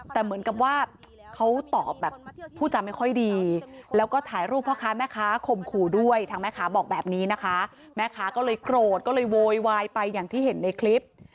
แต่เหมือนกับว่าเขาตอบแบบผู้จำไม่ค่อยดีแล้วก็ถ่ายรูปพ่อค้าแม่ค้าข่มขู่ด้วยทางแม่ค้าบอกแบบนี้นะคะแม่ค้าก็เลยโกรธก็เลยโวยวายไปอย่างที่เห็นในคลิป